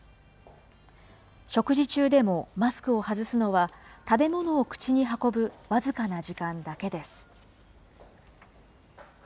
食事中でも、マスクを外すのは食べ物を口に運ぶ僅かな時間だけです。